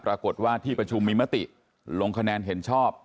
ปรากฏว่าที่ประชุมมีมติลงคะแนนเห็นชอบ